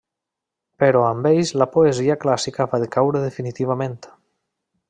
Però amb ells la poesia clàssica va decaure definitivament.